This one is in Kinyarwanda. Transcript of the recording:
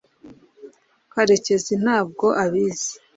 karekezi ntabwo abizi